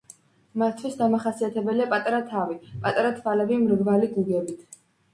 მათთვის დამახასიათებელია პატარა თავი, პატარა თვალები მრგვალი გუგებით.